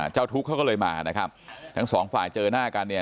เจ้าทุกข์เขาก็เลยมานะครับทั้งสองฝ่ายเจอหน้ากันเนี่ย